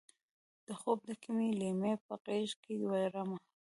د خوب ډکې مې لیمې په غیږکې وړمه